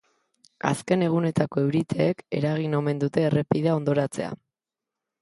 Azken egunetako euriteek eragin omen dute errepidea hondoratzea.